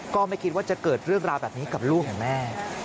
ก็ไม่คิดว่าจะเกิดเรื่องราวแบบนี้กับลูกของแม่